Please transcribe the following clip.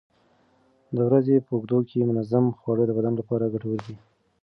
د ورځې په اوږدو کې منظم خواړه د بدن لپاره ګټور دي.